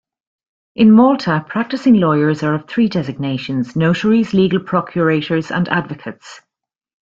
In Malta, practising lawyers are of three designations - notaries, legal procurators and advocates.